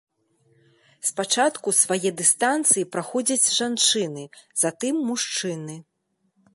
Спачатку свае дыстанцыі праходзяць жанчыны, затым мужчыны.